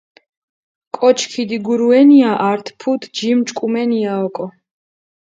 კოჩ ქიდიგურუენია ართ ფუთ ჯიმ ჭკუმენია ოკო.